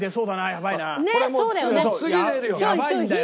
やばいんだよ。